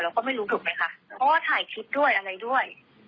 เราก็ไม่รู้ถูกไหมคะเพราะว่าถ่ายคลิปด้วยอะไรด้วย